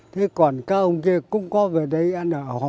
thế còn các ông kia cũng có về đây ăn ở